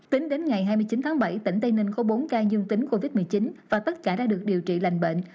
tính đến ngày hai mươi chín tháng bảy tỉnh tây ninh có bốn ca dương tính covid một mươi chín và tất cả đã được điều trị lành bệnh